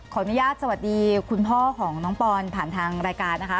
ขออนุญาตสวัสดีคุณพ่อของน้องปอนผ่านทางรายการนะคะ